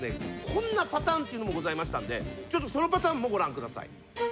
こんなパターンっていうのもございましたんでちょっとそのパターンもご覧ください。